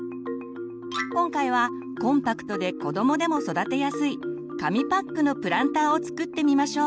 今回はコンパクトで子どもでも育てやすい紙パックのプランターを作ってみましょう。